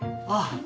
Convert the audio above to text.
ああ。